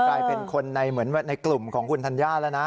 กลายเป็นคนในเกลุ่มของคุณทันยาแล้วนะ